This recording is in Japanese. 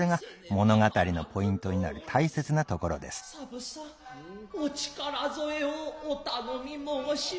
三婦さんお力添えをお頼み申します。